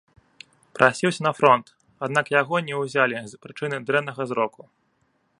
Прасіўся на фронт, аднак яго не ўзялі з прычыны дрэннага зроку.